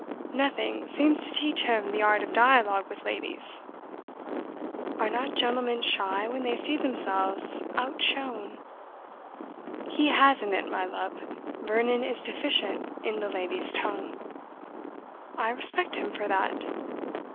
"Nothing seems to teach him the art of dialogue with ladies." "Are not gentlemen shy when they see themselves outshone?" "He hasn't it, my love: Vernon is deficient in the lady's tongue." "I respect him for that."